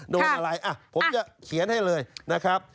โดนอะไรผมจะเขียนให้เลยนะครับ